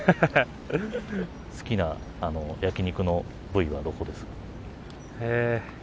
◆好きな焼き肉の部位はどこですか？